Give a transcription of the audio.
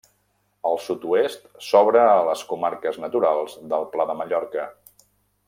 Al sud-oest, s'obre a les comarques naturals del Pla de Mallorca.